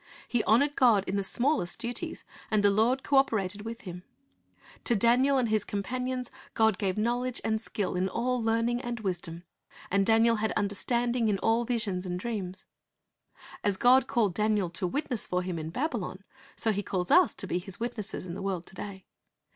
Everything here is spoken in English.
He honored God in the smallest duties, and the Lord co operated with him. To Daniel and his companions God gave "knowledge 1 Luke 16 : 10 Ta I c nts 35; and skill in all learninf^ and wisdom; and Daniel had understanding in all \isions and dreams." ' As God called Daniel to witness for Him in Babylon, so He calls us to be His witnesses in the world to da}'.